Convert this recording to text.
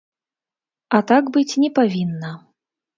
А так быць не павінна!